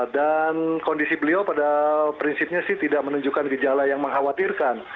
dan kondisi beliau pada prinsipnya sih tidak menunjukkan gejala yang mengkhawatirkan